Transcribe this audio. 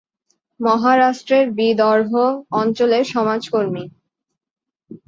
মহারাষ্ট্রের বিদর্ভ অঞ্চলের সমাজকর্মী।